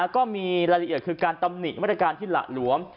ก็มีรายละเอียดคือการตำหนิมาตรการที่หละหลวม